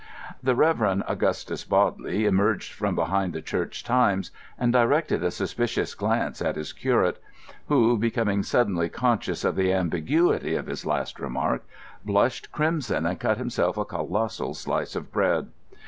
The Reverend Augustus Bodley emerged from behind the Church Times and directed a suspicious glance at his curate; who, becoming suddenly conscious of the ambiguity of his last remark, blushed crimson and cut himself a colossal slice of bread.